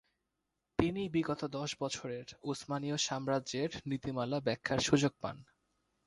তিনি বিগত দশ বছরের উসমানীয় সাম্রাজ্যের নীতিমালা ব্যাখ্যার সুযোগ পান।